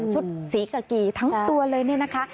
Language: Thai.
ชุดศรีกะกีทั้งตัวเลยนะคะ